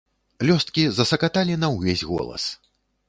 Лёсткі засакаталі на ўвесь голас.